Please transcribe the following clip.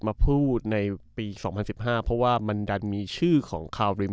มาพูดในปีสองพันสิบห้าเพราะว่ามันดันมีชื่อของคาลิม